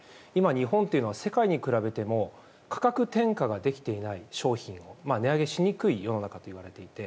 日本は世界に比べても価格転嫁ができていない値上げしにくい世の中といわれていて